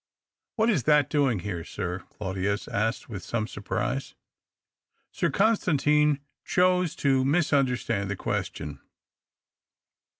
" What is that doing here, sir ?" Claudius asked with some surprise. Sir Constantine chose to misunderstand the question.